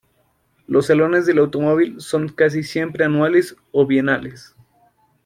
Los salones del automóvil son casi siempre anuales o bienales.